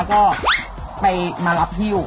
ต่างชาติ